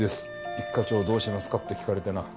一課長どうしますか？」って聞かれてな。